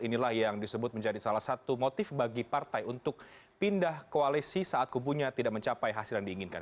inilah yang disebut menjadi salah satu motif bagi partai untuk pindah koalisi saat kubunya tidak mencapai hasil yang diinginkan